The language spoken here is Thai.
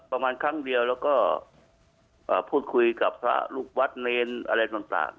ประมาณครั้งเดียวแล้วก็พูดคุยกับพระลูกวัดเนรอะไรต่าง